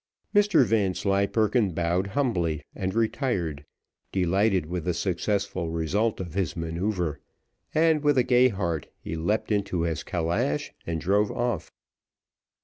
Mr Vanslyperken bowed humbly and retired, delighted with the successful result of his manoeuvre, and, with a gay heart he leaped into his calash, and drove off.